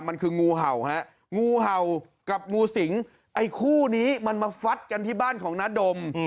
มันคืองูเห่าฮะงูเห่ากับงูสิงไอ้คู่นี้มันมาฟัดกันที่บ้านของน้าดม